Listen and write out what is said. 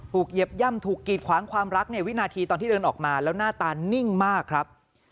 เหยียบย่ำถูกกีดขวางความรักเนี่ยวินาทีตอนที่เดินออกมาแล้วหน้าตานิ่งมากครับ